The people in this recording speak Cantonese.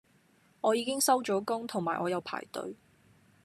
我已經收咗工同埋我有排隊